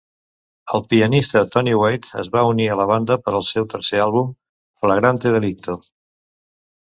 El pianista Tony Wade es va unir a la banda per al seu tercer àlbum, "Flagrante Delicto".